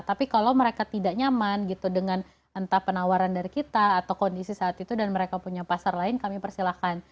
tapi kalau mereka tidak nyaman gitu dengan entah penawaran dari kita atau kondisi saat itu dan mereka punya pasar lain kami persilahkan